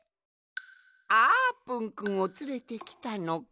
あーぷんくんをつれてきたのかね？